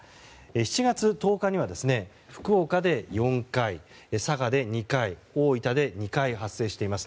７月１０日には福岡で４回佐賀で２回、大分で２回発生しています。